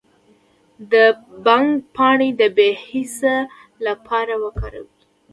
د بنګ پاڼې د بې حسی لپاره وکاروئ